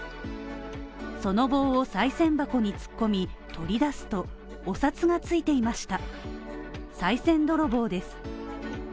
その棒をさい銭箱に突っ込み、取り出すと、お札がついていました。